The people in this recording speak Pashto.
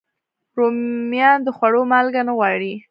رومیان د خوړو مالګه نه غواړي